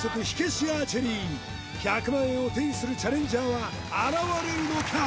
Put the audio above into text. １００万円を手にするチャレンジャーは現れるのか！？